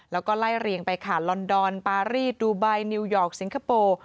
แล้วก็ไล่เรียงไปค่ะลอนดอนปารีสดูไบนิวยอร์กสิงคโปร์